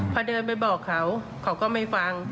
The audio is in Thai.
พอเดินไปบอกเขาเขาก็ไม่ฟัง